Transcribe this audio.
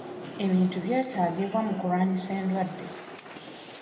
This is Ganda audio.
Ebintu byetaagibwa mu kulwanyisa endwadde.